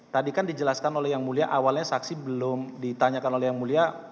tadi kan dijelaskan oleh yang mulia awalnya saksi belum ditanyakan oleh yang mulia